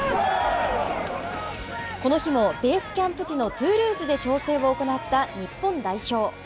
この日もベースキャンプ地のトゥールーズで調整を行った日本代表。